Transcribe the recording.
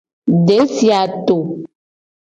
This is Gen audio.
Desi a to.